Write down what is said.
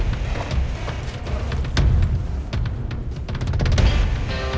kamu kesini cuma mau ketemu aku aja